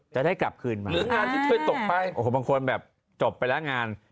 จะได้กลับคืนมาหรืองานที่เคยตกไปโอ้โหบางคนแบบจบไปแล้วงาน